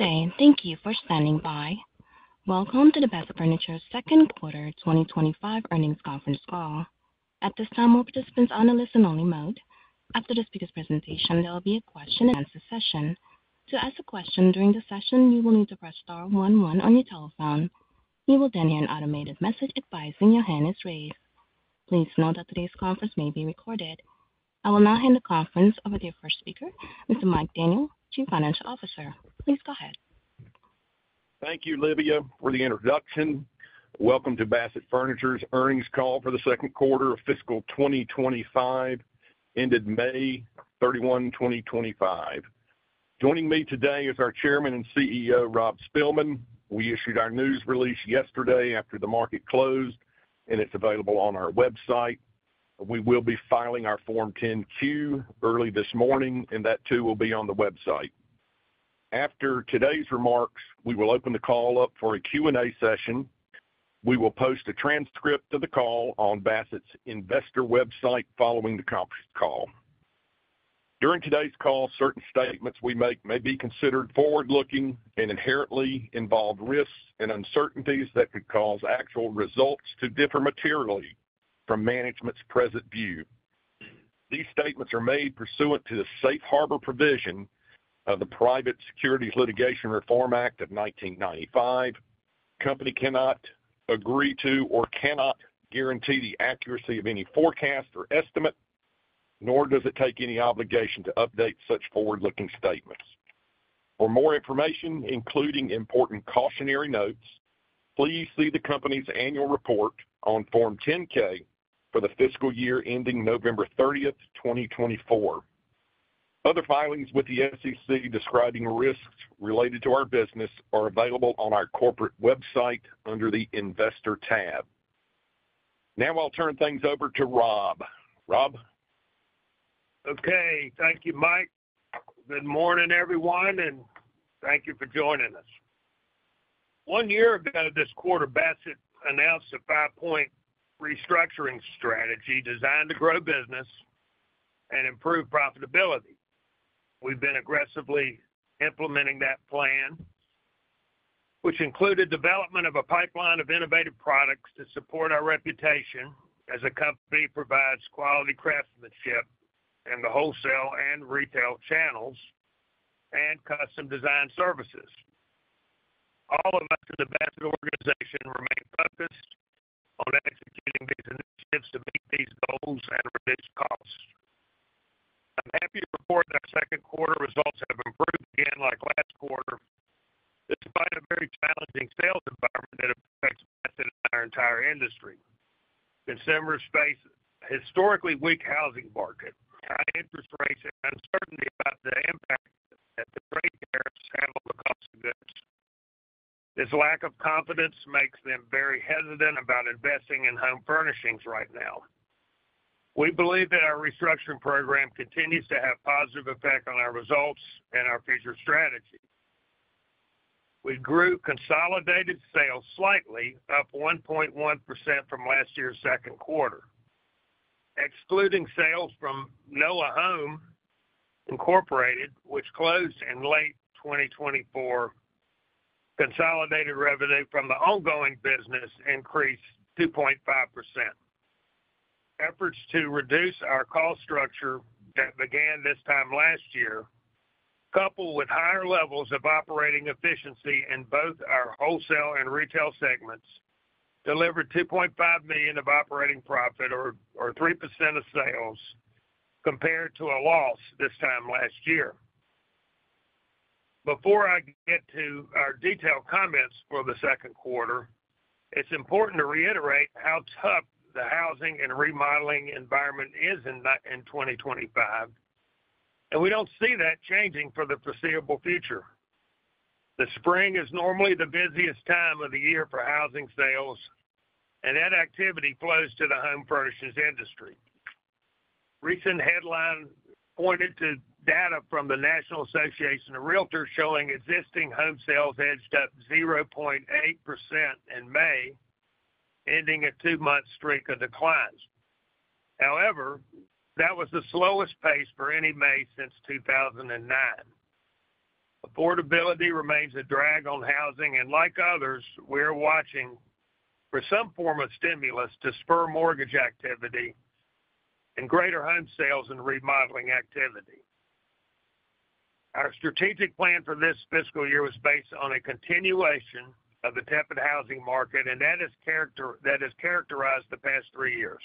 Thank you for standing by. Welcome to the Bassett Furniture Industries' second quarter 2025 earnings conference call. At this time, all participants are in a listen-only mode. After the speaker's presentation, there will be a question-and-answer session. To ask a question during the session, you will need to press star one one on your telephone. You will then hear an automated message advising your hand is raised. Please note that today's conference may be recorded. I will now hand the conference over to your first speaker, Mr. Mike Daniel, Chief Financial Officer. Please go ahead. Thank you, Livia, for the introduction. Welcome to Bassett Furniture Industries' earnings call for the second quarter of fiscal 2025, ended May 31, 2025. Joining me today is our Chairman and CEO, Rob Spilman. We issued our news release yesterday after the market closed, and it's available on our website. We will be filing our Form 10-Q early this morning, and that too will be on the website. After today's remarks, we will open the call up for a Q&A session. We will post a transcript of the call on Bassett's investor website following the conference call. During today's call, certain statements we make may be considered forward-looking and inherently involve risks and uncertainties that could cause actual results to differ materially from management's present view. These statements are made pursuant to the safe harbor provision of the Private Securities Litigation Reform Act of 1995. The company cannot guarantee the accuracy of any forecast or estimate, nor does it take any obligation to update such forward-looking statements. For more information, including important cautionary notes, please see the company's annual report on Form 10-K for the fiscal year ending November 30, 2024. Other filings with the SEC describing risks related to our business are available on our corporate website under the Investor tab. Now I'll turn things over to Rob. Rob? Okay. Thank you, Mike. Good morning, everyone, and thank you for joining us. One year ago this quarter, Bassett Furniture Industries announced a five-point restructuring strategy designed to grow business and improve profitability. We've been aggressively implementing that plan, which included the development of a pipeline of innovative products to support our reputation as a company that provides quality craftsmanship in the wholesale and retail channels and custom design services. All of us in the Bassett organization remain focused on executing these initiatives to meet these goals and reduce costs. I'm happy to report that our second quarter results have improved again like last quarter, despite a very challenging sales environment that affects Bassett and our entire industry. Consumers face a historically weak housing market, high interest rates, and uncertainty about the impact that the great tariffs have on the cost of goods. This lack of confidence makes them very hesitant about investing in home furnishings right now. We believe that our restructuring program continues to have a positive effect on our results and our future strategy. We grew consolidated sales slightly, up 1.1% from last year's second quarter. Excluding sales from Noah Home Incorporated, which closed in late 2024, consolidated revenue from the ongoing business increased 2.5%. Efforts to reduce our cost structure that began this time last year, coupled with higher levels of operating efficiency in both our wholesale and retail segments, delivered $2.5 million of operating profit or 3% of sales compared to a loss this time last year. Before I get to our detailed comments for the second quarter, it's important to reiterate how tough the housing and remodeling environment is in 2025, and we don't see that changing for the foreseeable future. The spring is normally the busiest time of the year for housing sales, and that activity flows to the home furnishings industry. Recent headlines pointed to data from the National Association of Realtors showing existing home sales edged up 0.8% in May, ending a two-month streak of declines. However, that was the slowest pace for any May since 2009. Affordability remains a drag on housing, and like others, we are watching for some form of stimulus to spur mortgage activity and greater home sales and remodeling activity. Our strategic plan for this fiscal year was based on a continuation of the tepid housing market, and that has characterized the past three years.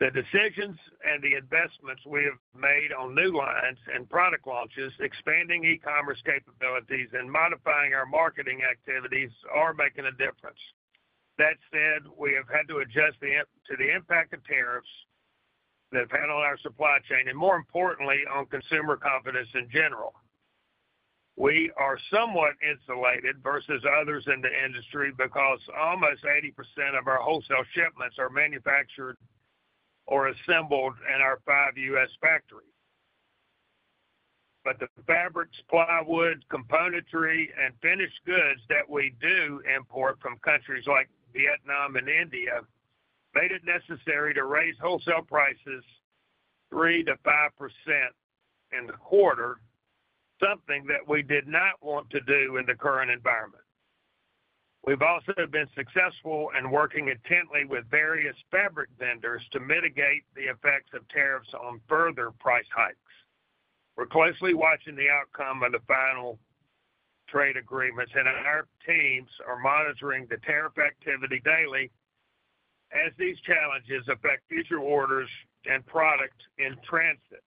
The decisions and the investments we have made on new lines and product launches, expanding e-commerce capabilities, and modifying our marketing activities are making a difference. That said, we have had to adjust to the impact that tariffs have had on our supply chain and, more importantly, on consumer confidence in general. We are somewhat insulated versus others in the industry because almost 80% of our wholesale shipments are manufactured or assembled in our five U.S. factories. However, the fabrics, plywood, componentry, and finished goods that we do import from countries like Vietnam and India made it necessary to raise wholesale prices 3%-5% in the quarter, something that we did not want to do in the current environment. We have also been successful in working intently with various fabric vendors to mitigate the effects of tariffs on further price hikes. We are closely watching the outcome of the final trade agreements, and our teams are monitoring the tariff activity daily as these challenges affect future orders and products in transit.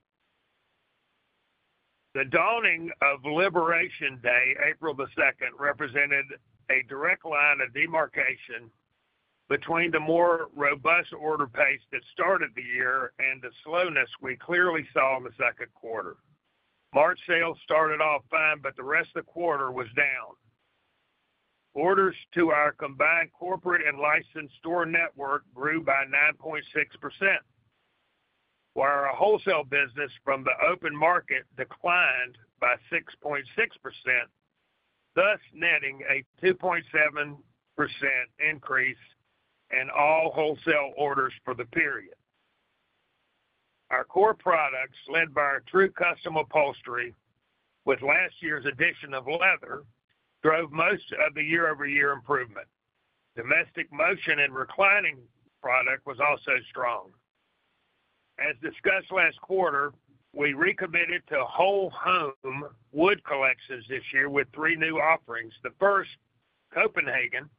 The dawning of Liberation Day, April 2nd, represented a direct line of demarcation between the more robust order pace that started the year and the slowness we clearly saw in the second quarter. March sales started off fine, but the rest of the quarter was down. Orders to our combined corporate and licensed store network grew by 9.6%, while our wholesale business from the open market declined by 6.6%, thus netting a 2.7% increase in all wholesale orders for the period. Our core products, led by our True Custom Upholstery with last year's addition of leather, drove most of the year-over-year improvement. Domestic motion and reclining product was also strong. As discussed last quarter, we recommitted to whole-home wood collections this year with three new offerings. The first, Copenhagen,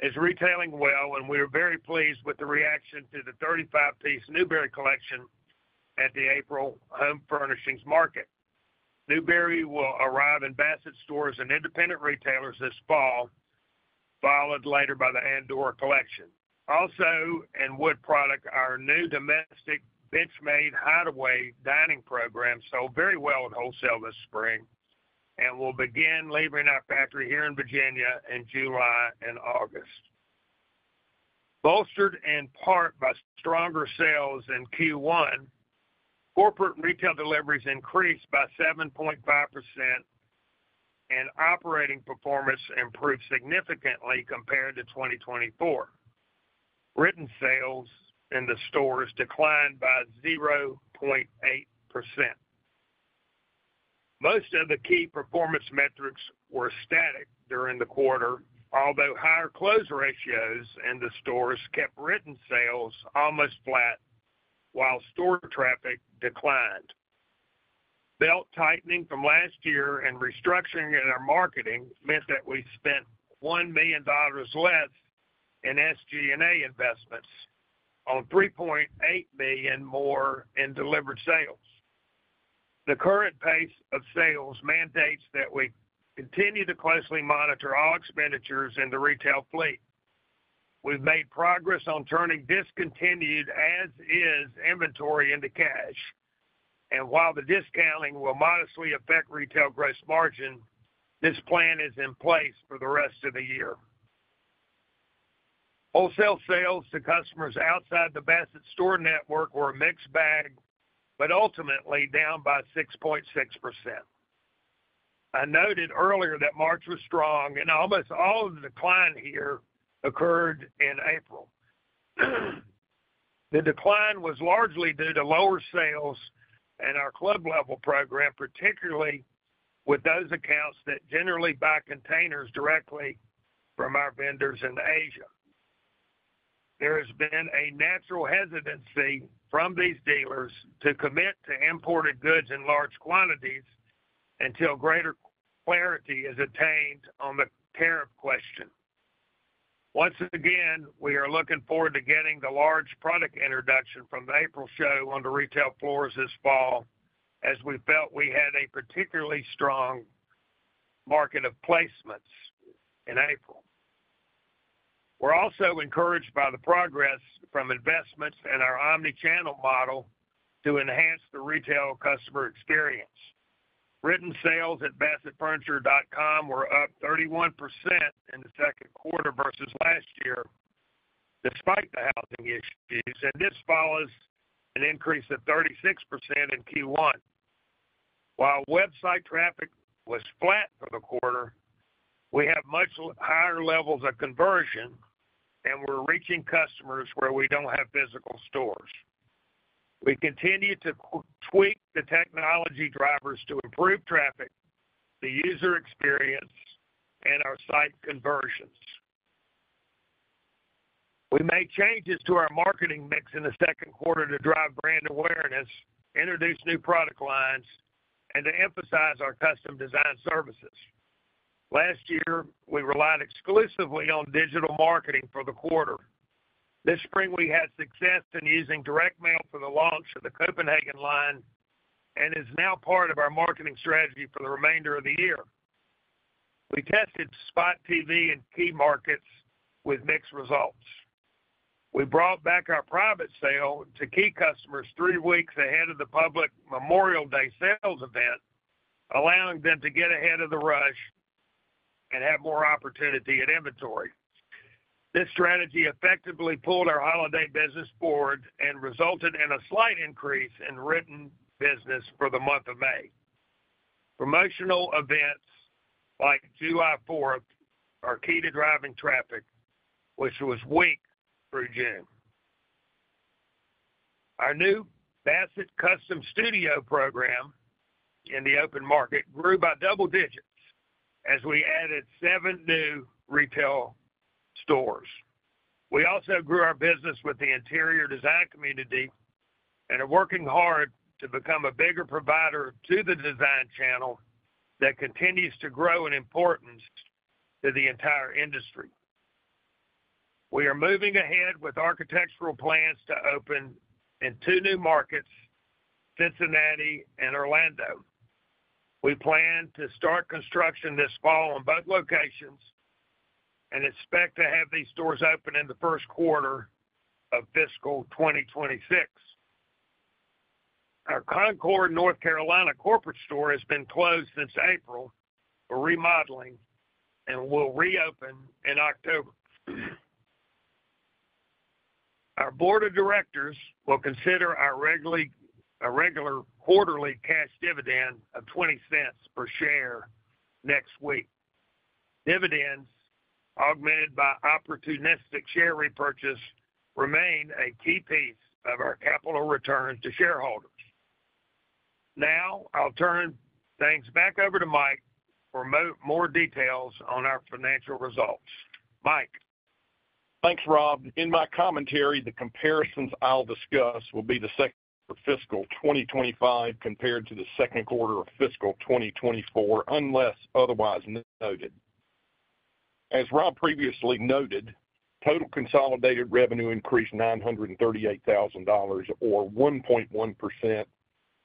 is retailing well, and we are very pleased with the reaction to the 35-piece Newbury collection at the April home furnishings market. Newbury will arrive in Bassett Home Furnishings stores and independent retailers this fall, followed later by the Andora collection. Also, in wood product, our new domestic benchmade hideaway dining program sold very well in wholesale this spring and will begin leaving our factory here in Virginia in July and August. Bolstered in part by stronger sales in Q1, corporate retail deliveries increased by 7.5%, and operating performance improved significantly compared to 2024. Written sales in the stores declined by 0.8%. Most of the key performance metrics were static during the quarter, although higher close ratios in the stores kept written sales almost flat, while store traffic declined. Belt tightening from last year and restructuring in our marketing meant that we spent $1 million less in SG&A investments and $3.8 million more in delivered sales. The current pace of sales mandates that we continue to closely monitor all expenditures in the retail fleet. We've made progress on turning discontinued as-is inventory into cash, and while the discounting will modestly affect retail gross margin, this plan is in place for the rest of the year. Wholesale sales to customers outside the Bassett store network were a mixed bag, but ultimately down by 6.6%. I noted earlier that March was strong, and almost all of the decline here occurred in April. The decline was largely due to lower sales in our Club Level program, particularly with those accounts that generally buy containers directly from our vendors in Asia. There has been a natural hesitancy from these dealers to commit to imported goods in large quantities until greater clarity is attained on the tariff question. Once again, we are looking forward to getting the large product introduction from the April show on the retail floors this fall, as we felt we had a particularly strong market of placements in April. We're also encouraged by the progress from investments in our omnichannel model to enhance the retail customer experience. Written sales at bassettfurniture.com were up 31% in the second quarter versus last year, despite the housing issues, and this follows an increase of 36% in Q1. While website traffic was flat for the quarter, we have much higher levels of conversion, and we're reaching customers where we don't have physical stores. We continue to tweak the technology drivers to improve traffic, the user experience, and our site conversions. We made changes to our marketing mix in the second quarter to drive brand awareness, introduce new product lines, and to emphasize our custom design services. Last year, we relied exclusively on digital marketing for the quarter. This spring, we had success in using direct mail for the launch of the Copenhagen line and it is now part of our marketing strategy for the remainder of the year. We tested Spot TV in key markets with mixed results. We brought back our private sale to key customers three weeks ahead of the public Memorial Day sales event, allowing them to get ahead of the rush and have more opportunity at inventory. This strategy effectively pulled our holiday business forward and resulted in a slight increase in written business for the month of May. Promotional events like July 4th are key to driving traffic, which was weak through June. Our new Bassett Custom Studio program in the open market grew by double digits as we added seven new retail stores. We also grew our business with the interior design community and are working hard to become a bigger provider to the design channel that continues to grow in importance to the entire industry. We are moving ahead with architectural plans to open in two new markets, Cincinnati and Orlando. We plan to start construction this fall in both locations and expect to have these stores open in the first quarter of fiscal 2026. Our Concord, North Carolina, corporate store has been closed since April for remodeling and will reopen in October. Our Board of Directors will consider our regular quarterly cash dividend of $0.20 per share next week. Dividends augmented by opportunistic share repurchase remain a key piece of our capital return to shareholders. Now, I'll turn things back over to Mike for more details on our financial results. Mike. Thanks, Rob. In my commentary, the comparisons I'll discuss will be the second quarter of fiscal 2025 compared to the second quarter of fiscal 2024, unless otherwise noted. As Rob previously noted, total consolidated revenue increased $938,000, or 1.1%.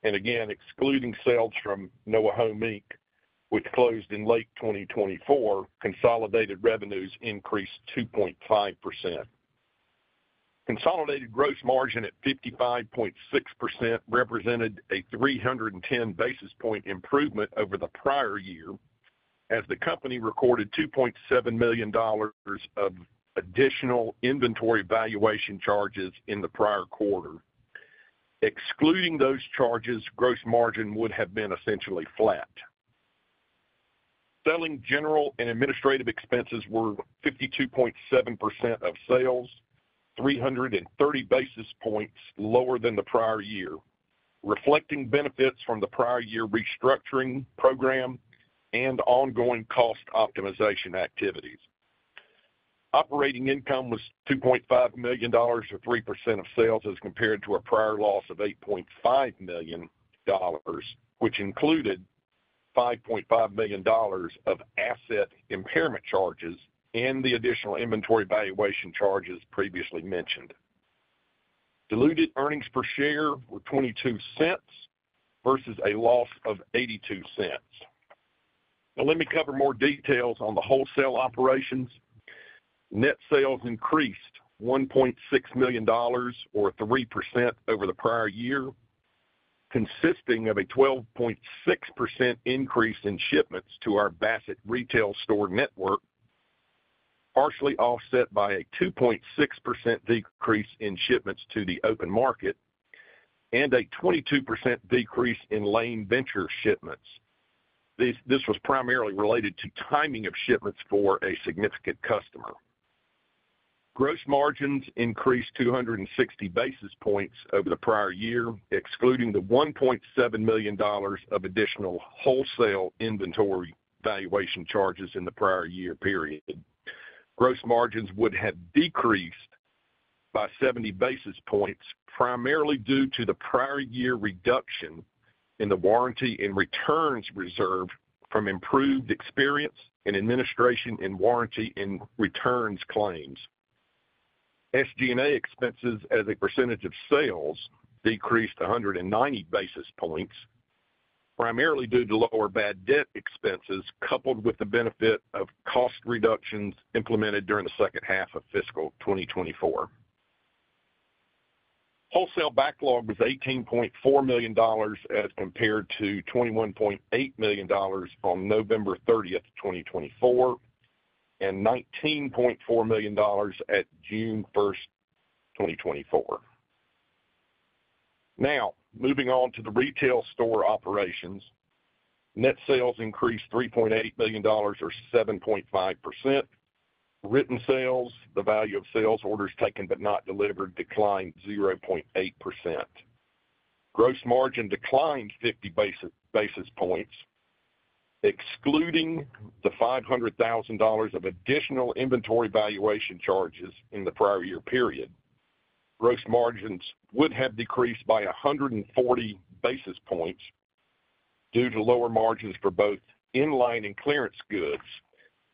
Excluding sales from Noah Home Inc, which closed in late 2024, consolidated revenues increased 2.5%. Consolidated gross margin at 55.6% represented a 310 basis point improvement over the prior year, as the company recorded $2.7 million of additional inventory valuation charges in the prior quarter. Excluding those charges, gross margin would have been essentially flat. Selling, general and administrative expenses were 52.7% of sales, 330 basis points lower than the prior year, reflecting benefits from the prior year restructuring program and ongoing cost optimization activities. Operating income was $2.5 million, or 3% of sales, as compared to a prior loss of $8.5 million, which included $5.5 million of asset impairment charges and the additional inventory valuation charges previously mentioned. Diluted earnings per share were $0.22 versus a loss of $0.82. Now, let me cover more details on the wholesale operations. Net sales increased $1.6 million, or 3% over the prior year, consisting of a 12.6% increase in shipments to our Bassett retail store network, partially offset by a 2.6% decrease in shipments to the open market and a 22% decrease in Lane Venture shipments. This was primarily related to timing of shipments for a significant customer. Gross margins increased 260 basis points over the prior year, excluding the $1.7 million of additional wholesale inventory valuation charges in the prior year period. Gross margins would have decreased by 70 basis points, primarily due to the prior year reduction in the warranty and returns reserve from improved experience and administration in warranty and returns claims. SG&A expenses as a percentage of sales decreased 190 basis points, primarily due to lower bad debt expenses coupled with the benefit of cost reductions implemented during the second half of fiscal 2024. Wholesale backlog was $18.4 million as compared to $21.8 million on November 30, 2024, and $19.4 million at June 1, 2024. Now, moving on to the retail store operations, net sales increased $3.8 million, or 7.5%. Written sales, the value of sales orders taken but not delivered, declined 0.8%. Gross margin declined 50 basis points, excluding the $500,000 of additional inventory valuation charges in the prior year period. Gross margins would have decreased by 140 basis points due to lower margins for both in-line and clearance goods.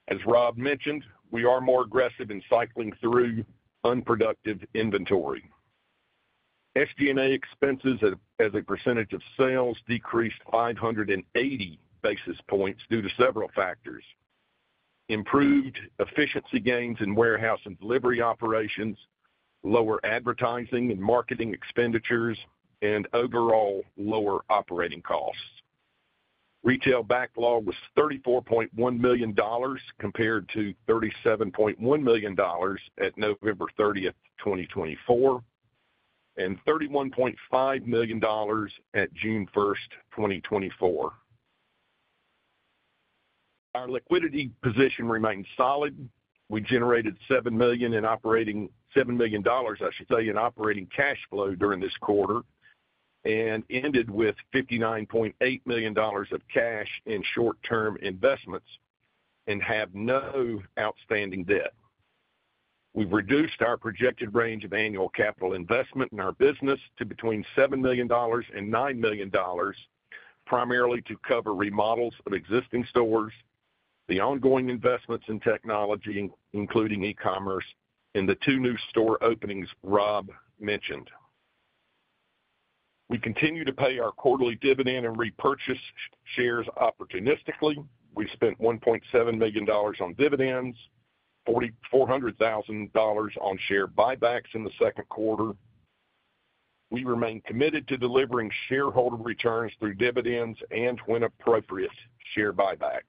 As Rob mentioned, we are more aggressive in cycling through unproductive inventory. SG&A expenses as a percentage of sales decreased 580 basis points due to several factors: improved efficiency gains in warehouse and delivery operations, lower advertising and marketing expenditures, and overall lower operating costs. Retail backlog was $34.1 million compared to $37.1 million at November 30, 2024, and $31.5 million at June 1, 2024. Our liquidity position remains solid. We generated $7 million in operating cash flow during this quarter and ended with $59.8 million of cash in short-term investments and have no outstanding debt. We've reduced our projected range of annual capital investment in our business to between $7 million and $9 million, primarily to cover remodels of existing stores, the ongoing investments in technology, including e-commerce, and the two new store openings Rob mentioned. We continue to pay our quarterly dividend and repurchase shares opportunistically. We spent $1.7 million on dividends, $400,000 on share buybacks in the second quarter. We remain committed to delivering shareholder returns through dividends and, when appropriate, share buybacks.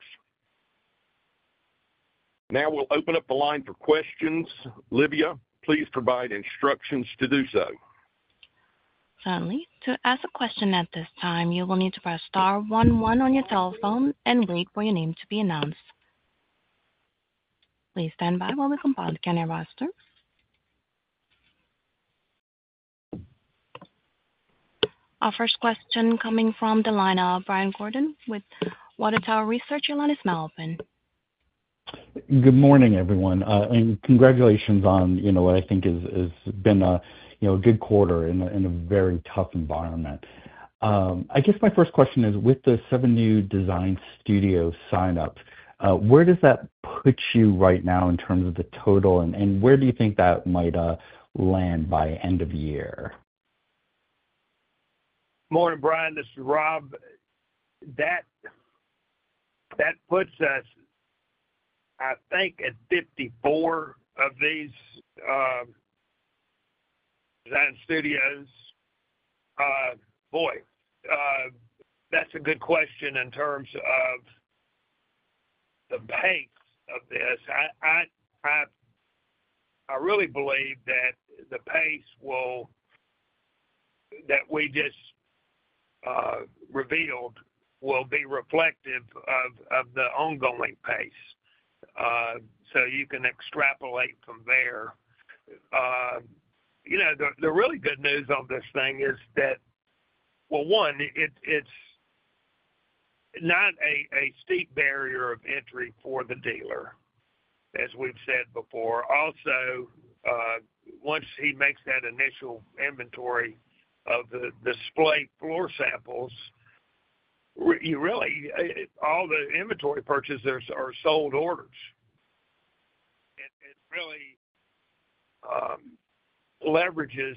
Now we'll open up the line for questions. Livia, please provide instructions to do so. Finally, to ask a question at this time, you will need to press star one one on your telephone and wait for your name to be announced. Please stand by while we compile the candidate roster. Our first question coming from the line of Brian Gordon with Water Tower Research. Your line is now open. Good morning, everyone. Congratulations on what I think has been a good quarter in a very tough environment. My first question is, with the seven new design studios signed up, where does that put you right now in terms of the total, and where do you think that might land by end of year? Morning, Brian. This is Rob. That puts us, I think, at 54 of these design studios. That's a good question in terms of the pace of this. I really believe that the pace that we just revealed will be reflective of the ongoing pace, so you can extrapolate from there. The really good news on this thing is that, one, it's not a steep barrier of entry for the dealer, as we've said before. Also, once he makes that initial inventory of the display floor samples, all the inventory purchases are sold orders. It really leverages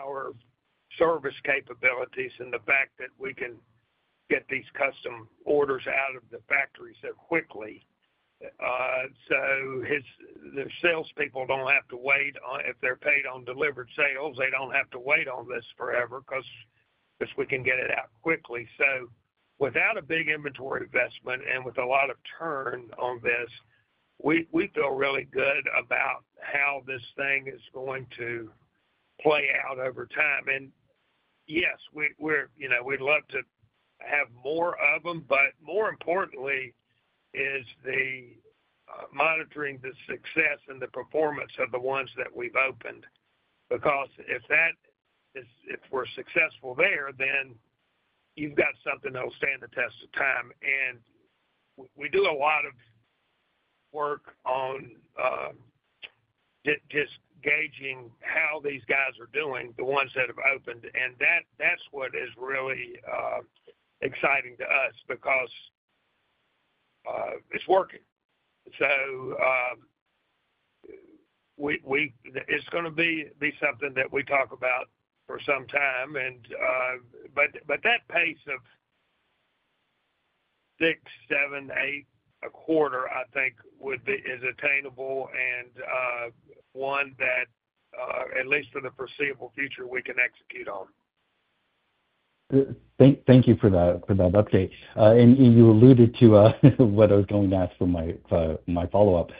our service capabilities and the fact that we can get these custom orders out of the factory so quickly. The salespeople don't have to wait on, if they're paid on delivered sales, they don't have to wait on this forever because we can get it out quickly. Without a big inventory investment and with a lot of churn on this, we feel really good about how this thing is going to play out over time. Yes, we'd love to have more of them, but more importantly is monitoring the success and the performance of the ones that we've opened. If we're successful there, then you've got something that will stand the test of time. We do a lot of work on just gauging how these guys are doing, the ones that have opened. That's what is really exciting to us because it's working. It's going to be something that we talk about for some time, and that pace of six, seven, eight a quarter, I think, is attainable and one that, at least for the foreseeable future, we can execute on. Thank you for that update. You alluded to what I was going to ask for my follow-up.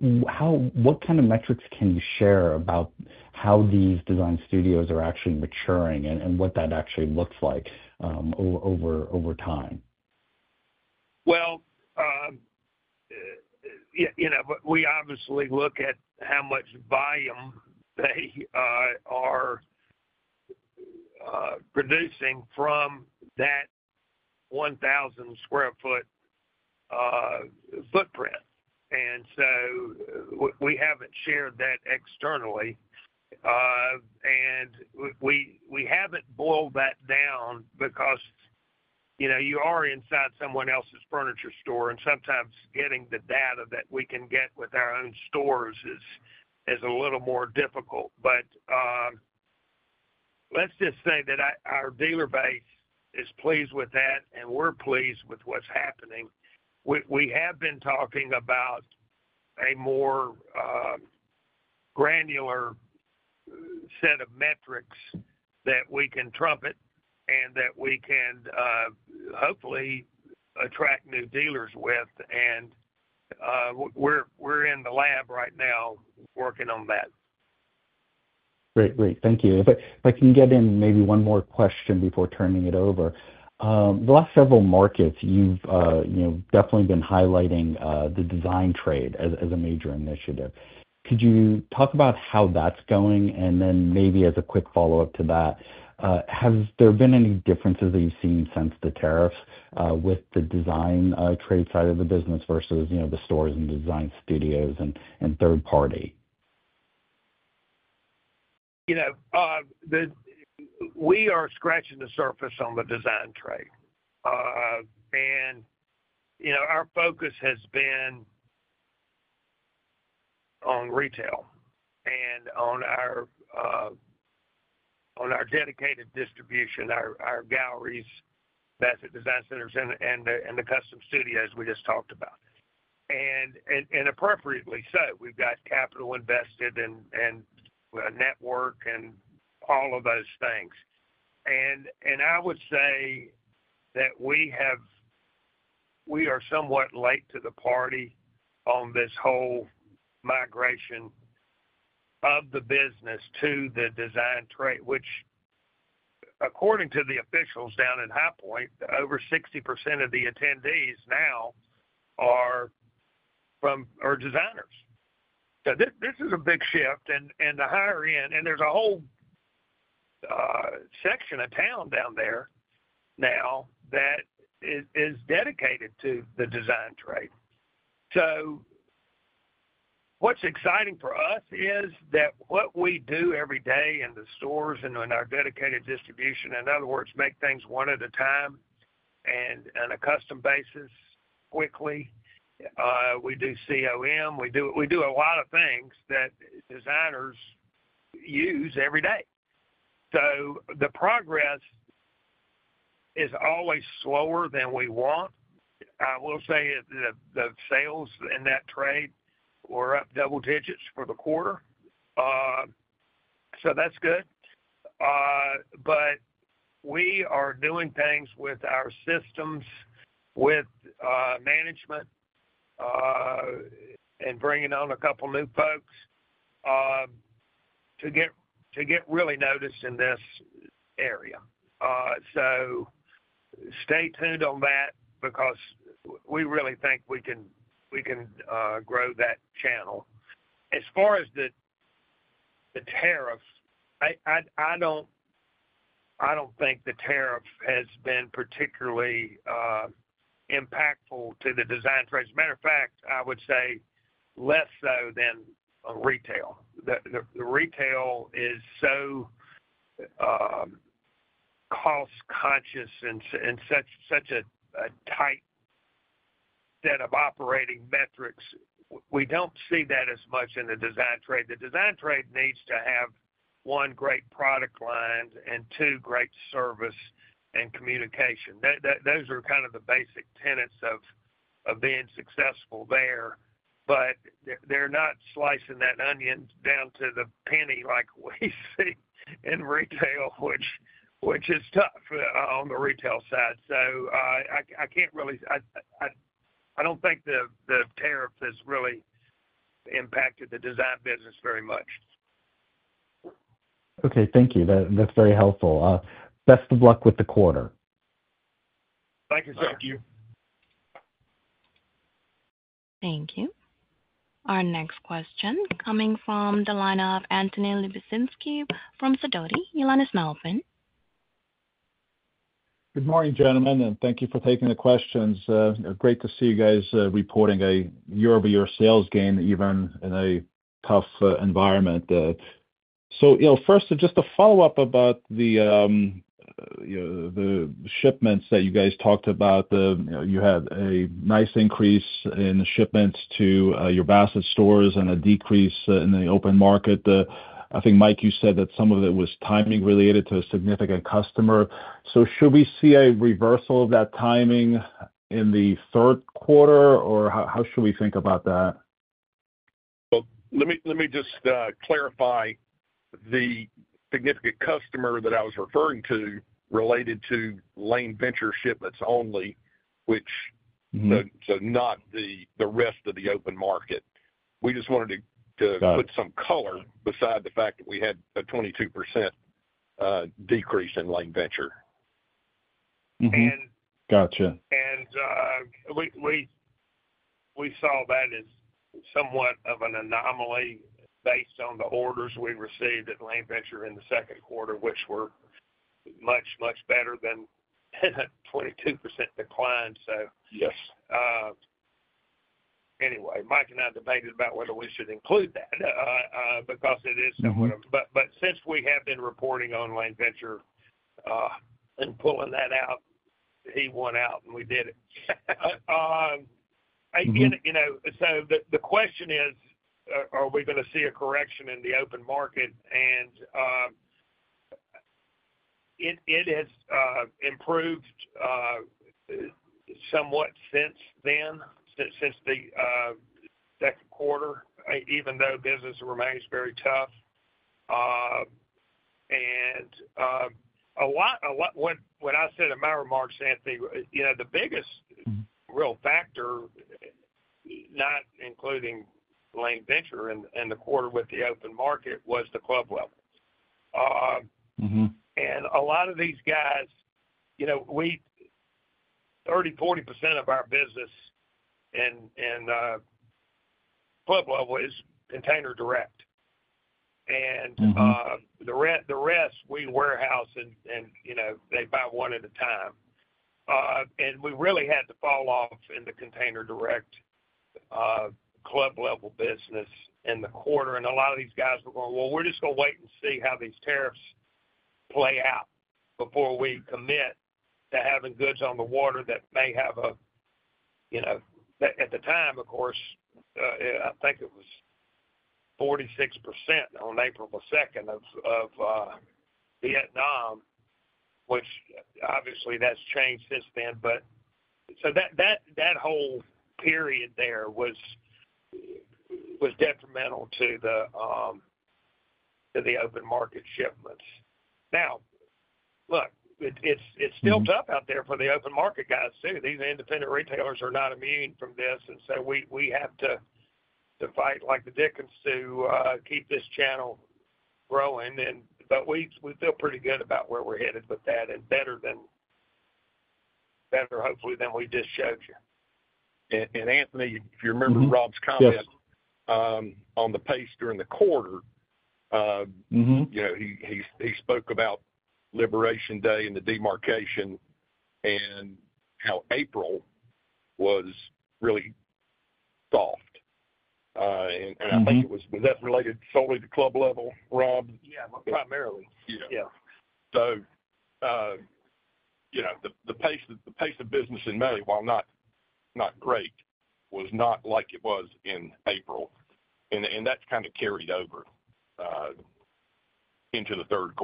What kind of metrics can you share about how these design studios are actually maturing and what that actually looks like over time? Obviously, we look at how much volume they are producing from that 1,000 square foot footprint. We haven't shared that externally, and we haven't boiled that down because you are inside someone else's furniture store, and sometimes getting the data that we can get with our own stores is a little more difficult. Let's just say that our dealer base is pleased with that, and we're pleased with what's happening. We have been talking about a more granular set of metrics that we can trumpet and that we can hopefully attract new dealers with. We're in the lab right now working on that. Great. Thank you. If I can get in maybe one more question before turning it over. The last several markets, you've definitely been highlighting the design trade as a major initiative. Could you talk about how that's going? Maybe as a quick follow-up to that, has there been any differences that you've seen since the tariffs, with the design trade side of the business versus the stores and the design studios and third party? We are scratching the surface on the design trade. You know, our focus has been on retail and on our dedicated distribution, our galleries, the Bassett Home Furnishings stores, and the Bassett Custom Studio locations we just talked about. Appropriately so, we've got capital invested in a network and all of those things. I would say that we are somewhat late to the party on this whole migration of the business to the design trade, which, according to the officials down in High Point, over 60% of the attendees now are designers. This is a big shift. The higher end, and there's a whole section of town down there now that is dedicated to the design trade. What's exciting for us is that what we do every day in the stores and in our dedicated distribution, in other words, make things one at a time and on a custom basis quickly. We do COM. We do a lot of things that designers use every day. The progress is always slower than we want. I will say that the sales in that trade were up double digits for the quarter, so that's good. We are doing things with our systems, with management, and bringing on a couple of new folks to get really noticed in this area. Stay tuned on that because we really think we can grow that channel. As far as the tariff, I don't think the tariff has been particularly impactful to the design trade. As a matter of fact, I would say less so than on retail. Retail is so cost-conscious and such a tight set of operating metrics. We don't see that as much in the design trade. The design trade needs to have, one, great product lines and, two, great service and communication. Those are kind of the basic tenets of being successful there. They're not slicing that onion down to the penny like we see in retail, which is tough on the retail side. I can't really, I don't think the tariff has really impacted the design business very much. Okay, thank you. That's very helpful. Best of luck with the quarter. Thank you. Thank you. Our next question, coming from the line of Anthony Lebiedzinski from Sidoti & Company. Your line is now open. Good morning, gentlemen, and thank you for taking the questions. Great to see you guys reporting a year-over-year sales gain that you've earned in a tough environment. First, just a follow-up about the shipments that you guys talked about. You had a nice increase in shipments to your Bassett Home Furnishings stores and a decrease in the open market. I think, Mike, you said that some of it was timing related to a significant customer. Should we see a reversal of that timing in the third quarter, or how should we think about that? Let me just clarify the significant customer that I was referring to related to Lane Venture shipments only, which, not the rest of the open market. We just wanted to put some color beside the fact that we had a 22% decrease in Lane Venture. Gotcha. We saw that as somewhat of an anomaly based on the orders we received at Lane Venture in the second quarter, which were much, much better than a 22% decline. Yes, anyway, Mike and I debated about whether we should include that because it is somewhat. Since we have been reporting on Lane Venture and pulling that out, he won out, and we did it. The question is, are we going to see a correction in the open market? It has improved somewhat since then, since the second quarter, even though business remains very tough. A lot of what I said in my remarks, Anthony, the biggest real factor, not including Lane Venture in the quarter with the open market, was the Club Level. A lot of these guys, 30%, 40% of our business in Club Level is container-direct. The rest, we warehouse, and they buy one at a time. We really had the falloff in the container-direct Club Level business in the quarter. A lot of these guys were going, "We're just going to wait and see how these tariffs play out before we commit to having goods on the water that may have a, you know, at the time, of course, I think it was 46% on April 2 of Vietnam," which obviously has changed since then. That whole period there was detrimental to the open market shipments. It is still tough out there for the open market guys too. These independent retailers are not immune from this. We have to fight like the Dickens to keep this channel growing. We feel pretty good about where we're headed with that and better than, better hopefully than we just showed you. Anthony, if you remember Rob's comment on the pace during the quarter, he spoke about Liberation Day and the demarcation and how April was really soft. I think it was, was that related solely to Club Level, Rob? Yeah. Primarily. Yeah. Yeah. The pace of business in May, while not great, was not like it was in April. That's kind of carried over into the third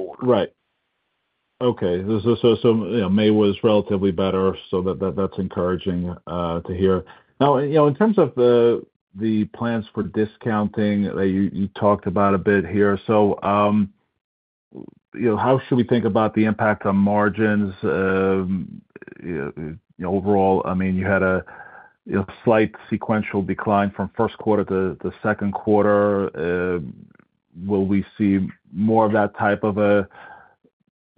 quarter. Right. Okay. May was relatively better, so that's encouraging to hear. Now, in terms of the plans for discounting that you talked about a bit here, how should we think about the impact on margins? Overall, I mean, you had a slight sequential decline from first quarter to the second quarter. Will we see more of that type of a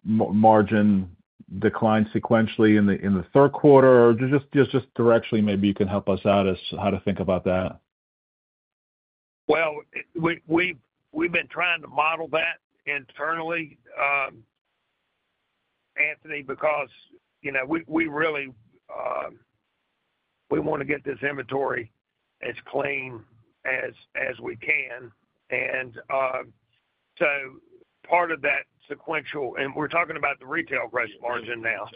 margin decline sequentially in the third quarter? Or just directionally, maybe you can help us out as to how to think about that. We've been trying to model that internally, Anthony, because, you know, we really want to get this inventory as clean as we can. Part of that is sequential, and we're talking about the retail gross margin now.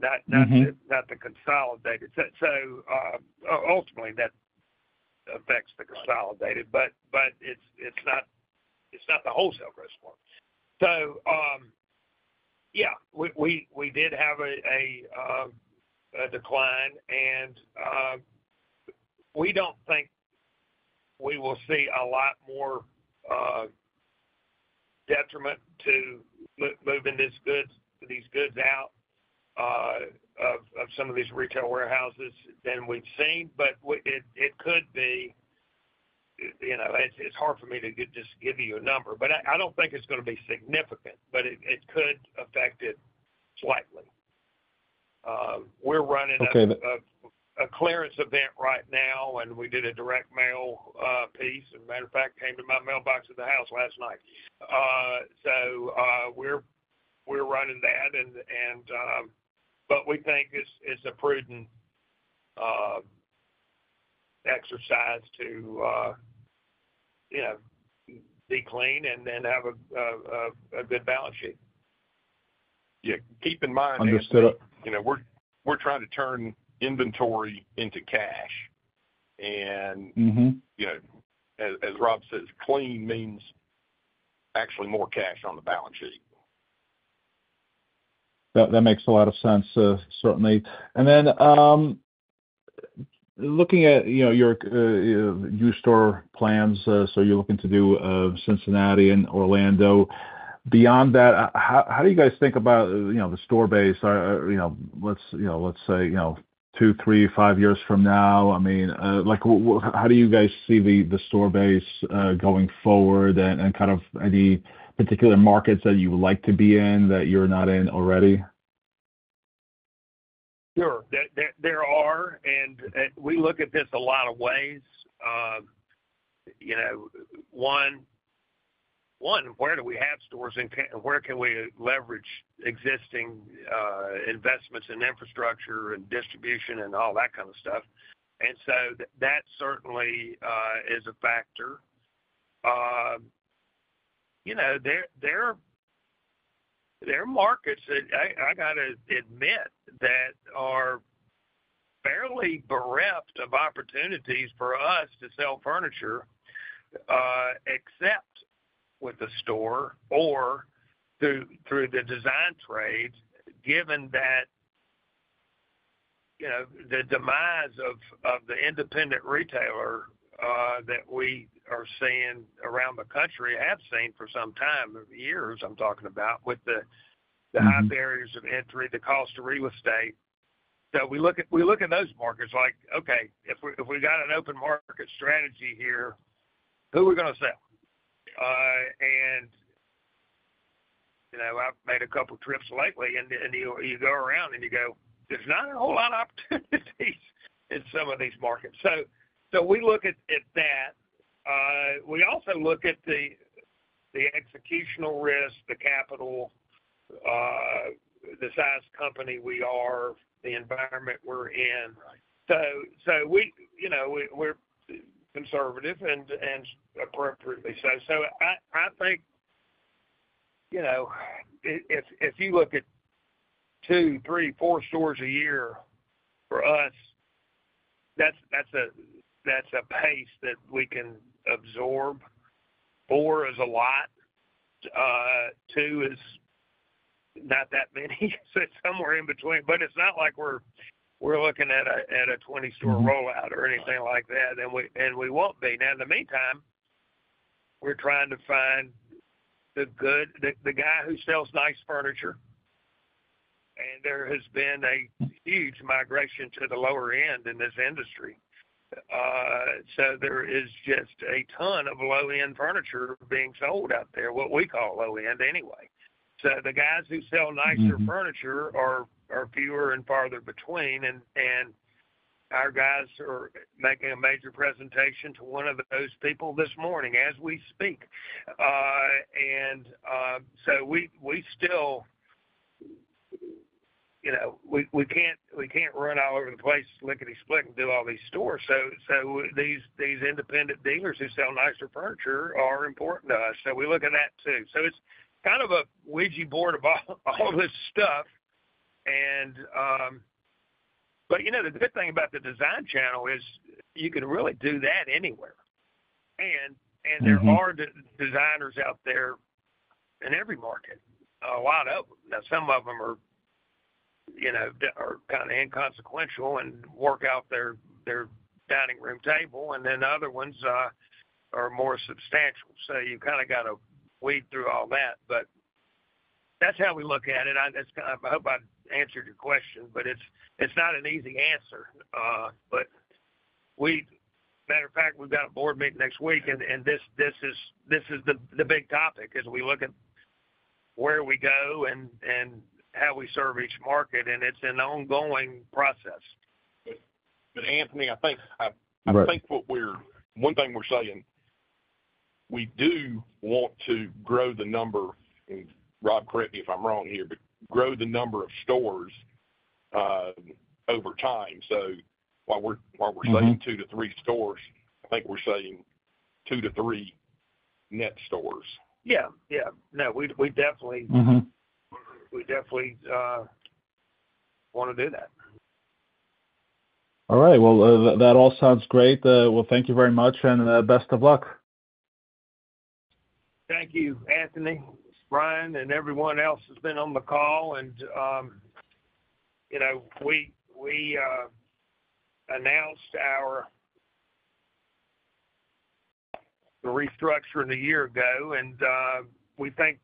That's not the consolidated. Ultimately, that affects the consolidated, but it's not the wholesale gross margin. Yeah, we did have a decline, and we don't think we will see a lot more detriment to moving these goods out of some of these retail warehouses than we've seen. It could be, you know, it's hard for me to just give you a number, but I don't think it's going to be significant, but it could affect it slightly. We're running a clearance event right now, and we did a direct mail piece. As a matter of fact, it came to my mailbox at the house last night. We're running that, and we think it's a prudent exercise to, you know, be clean and then have a good balance sheet. Yeah. Keep in mind, you know, we're trying to turn inventory into cash. As Rob says, clean means actually more cash on the balance sheet. That makes a lot of sense, certainly. Looking at your new store plans, you're looking to do Cincinnati and Orlando. Beyond that, how do you guys think about the store base? Let's say two, three, five years from now. How do you guys see the store base going forward and any particular markets that you would like to be in that you're not in already? Sure. There are, and we look at this a lot of ways. You know, one, where do we have stores? Where can we leverage existing investments in infrastructure and distribution and all that kind of stuff? That certainly is a factor. There are markets that I have to admit are fairly bereft of opportunities for us to sell furniture, except with a store or through the design trades, given the demise of the independent retailer that we are seeing around the country and have seen for some years. I am talking about the high barriers of entry, the cost of real estate. We look at those markets like, okay, if we have got an open market strategy here, who are we going to sell? I have made a couple of trips lately, and you go around and you go, there are not a whole lot of opportunities in some of these markets. We look at that. We also look at the executional risk, the capital, the size company we are, the environment we are in. Right. We are conservative and appropriately so. I think if you look at two, three, four stores a year for us, that is a pace that we can absorb. Four is a lot. Two is not that many. It is somewhere in between. It is not like we are looking at a 20-store rollout or anything like that. We will not be. In the meantime, we are trying to find the guy who sells nice furniture. There has been a huge migration to the lower end in this industry. There is just a ton of low-end furniture being sold out there, what we call low-end anyway. The guys who sell nicer furniture are fewer and farther between. Our guys are making a major presentation to one of those people this morning as we speak. We still cannot run all over the place lickety-splitting through all these stores. These independent dealers who sell nicer furniture are important to us. We look at that too. It is kind of a Ouija board of all this stuff. The good thing about the design channel is you can really do that anywhere. There are designers out there in every market, a lot of them. Some of them are kind of inconsequential and work out of their dining room table, and then other ones are more substantial. You have got to weed through all that. That is how we look at it. I hope I have answered your question, but it is not an easy answer. As a matter of fact, we have got a board meeting next week, and this is the big topic as we look at where we go and how we serve each market. It is an ongoing process. Anthony, I think what we're saying, we do want to grow the number, and Rob, correct me if I'm wrong here, but grow the number of stores over time. While we're saying two to three stores, I think we're saying two to three net stores. Yeah, yeah. No, we definitely want to do that. All right. That all sounds great. Thank you very much, and best of luck. Thank you, Anthony. Brian and everyone else has been on the call. We announced our restructuring a year ago, and we think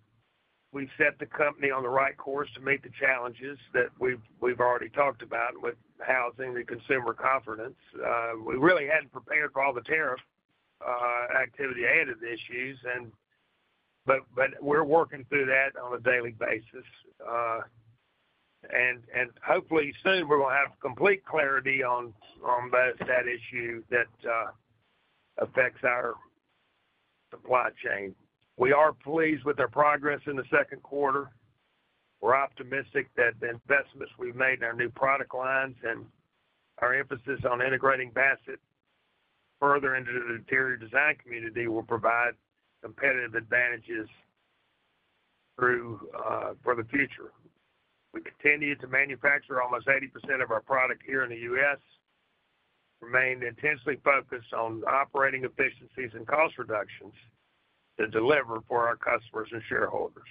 we've set the company on the right course to meet the challenges that we've already talked about with housing and consumer confidence. We really hadn't prepared for all the tariff activity-added issues, but we're working through that on a daily basis. Hopefully, soon, we're going to have complete clarity on that issue that affects our supply chain. We are pleased with our progress in the second quarter. We're optimistic that the investments we've made in our new product lines and our emphasis on integrating Bassett further into the interior design community will provide competitive advantages for the future. We continue to manufacture almost 80% of our product here in the U.S. We remain intensely focused on operating efficiencies and cost reductions to deliver for our customers and shareholders.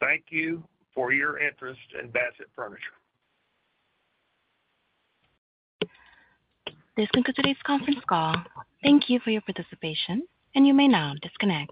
Thank you for your interest in Bassett Furniture Industries. This concludes today's conference call. Thank you for your participation, and you may now disconnect.